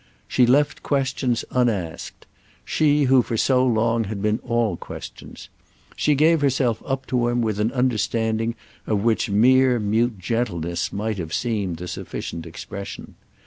She left questions unasked—she who for so long had been all questions; she gave herself up to him with an understanding of which mere mute gentleness might have seemed the sufficient expression.